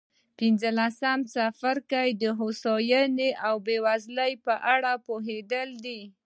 پنځلسم څپرکی د هوساینې او بېوزلۍ په اړه پوهېدل دي.